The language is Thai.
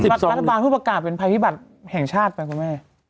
รัฐบาลเพิ่งประกาศเป็นภัยพิบัติแห่งชาติไปคุณแม่